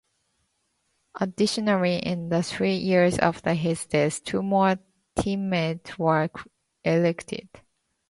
Additionally, in the three years after his death, two more teammates were elected.